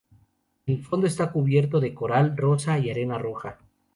El fondo está cubierto de coral rosa y arena roja.